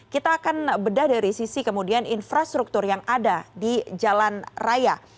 kita akan bedah dari sisi kemudian infrastruktur yang ada di jalan raya